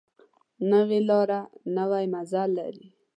نوې لاره نوی منزل لري